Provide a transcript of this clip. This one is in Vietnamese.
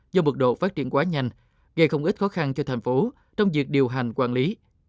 do bực độ phát triển quá nhanh gây không ít khó khăn cho thành phố trong việc điều hành quản lý